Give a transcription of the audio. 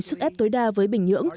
sức ép tối đa với bình nhưỡng